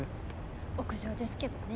屋上ですけどね。